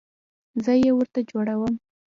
زه یې ورته جوړوم